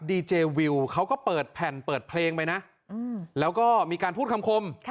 ดีเจวิวเขาก็เปิดแผ่นเปิดเพลงไปนะแล้วก็มีการพูดคำคม